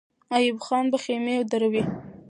ایوب خان به خېمې دروي.